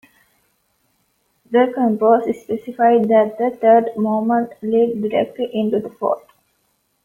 The composer specified that the third movement lead directly into the fourth.